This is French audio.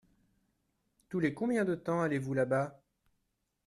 Tous les combien de temps allez-vous là-bas ?